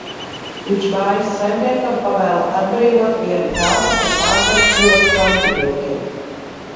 Viņš mājas saimniekam pavēl atbrīvot vienu telpu, kur pārnakšņot frontiniekiem.